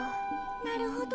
なるほど。